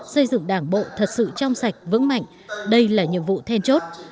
xây dựng đảng bộ thật sự trong sạch vững mạnh đây là nhiệm vụ then chốt